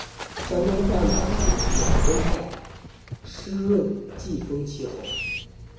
山东半岛属暖温带湿润季风气候。